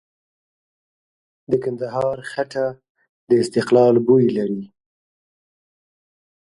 د کندهار خټه د استقلال بوی لري.